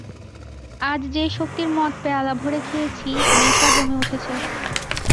আজ যে শক্তির মদ পেয়ালা ভরে খেয়েছি, নেশা জমে উঠেছে।